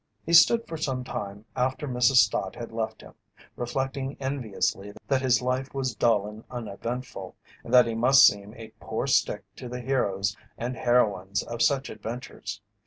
He stood for some time after Mrs. Stott had left him, reflecting enviously that his life was dull and uneventful, and that he must seem a poor stick to the heroes and heroines of such adventures.